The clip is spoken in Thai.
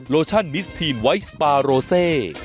โลชั่นมิสทีนไวท์สปาโรเซ